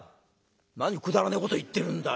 「何くだらねえこと言ってるんだよおい。